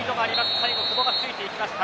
最後、久保がついていきました。